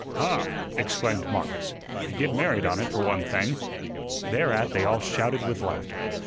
"Huh!" exclaimed Marcus. "Get married on it for one thing." Thereat they all shouted with laughter.